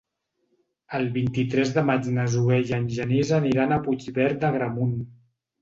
El vint-i-tres de maig na Zoè i en Genís aniran a Puigverd d'Agramunt.